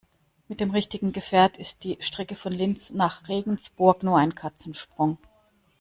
Mit dem richtigen Gefährt ist die Strecke von Linz nach Regensburg nur ein Katzensprung.